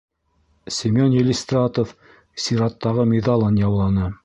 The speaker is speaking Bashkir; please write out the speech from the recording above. Семен Елистратов сираттағы миҙалын яуланы